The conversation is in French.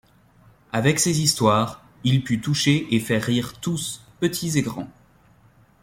Avec ses histoires il put toucher et faire rire tous, petits et grands.